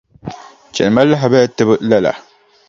Chɛli ma lahabali tibu lala.